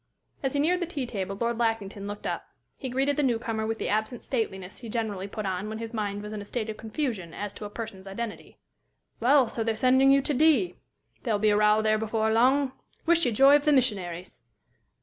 As he neared the tea table, Lord Lackington looked up. He greeted the new comer with the absent stateliness he generally put on when his mind was in a state of confusion as to a person's identity. "Well, so they're sending you to D ? There'll be a row there before long. Wish you joy of the missionaries!"